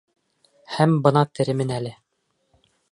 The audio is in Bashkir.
Һәм бына теремен әле.